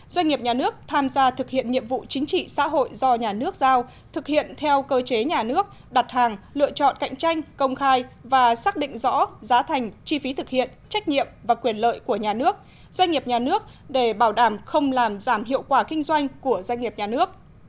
doanh nghiệp nhà nước tham gia thực hiện nhiệm vụ chính trị xã hội do nhà nước giao thực hiện theo cơ chế nhà nước đặt hàng lựa chọn cạnh tranh công khai và xác định rõ giá thành chi phí thực hiện trách nhiệm và quyền lợi của nhà nước doanh nghiệp nhà nước để bảo đảm không làm giảm hiệu quả kinh doanh của doanh nghiệp nhà nước